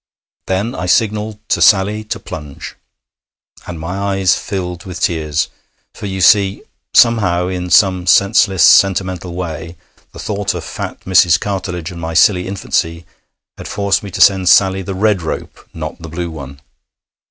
Then I signalled to Sally to plunge, and my eyes filled with tears. For, you see, somehow, in some senseless sentimental way, the thought of fat Mrs. Cartledge and my silly infancy had forced me to send Sally the red rope, not the blue one.